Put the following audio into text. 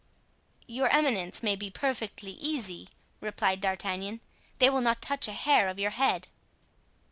"Your eminence may be perfectly easy," replied D'Artagnan; "they will not touch a hair of your head."